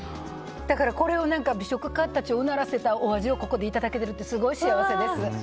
だからこれを美食家をうならせたお味をここでいただけてるってすごい幸せです。